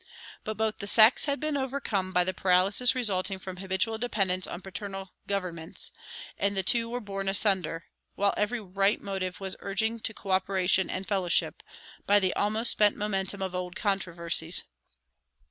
But both the sects had been overcome by the paralysis resulting from habitual dependence on paternal governments, and the two were borne asunder, while every right motive was urging to coöperation and fellowship, by the almost spent momentum of old controversies.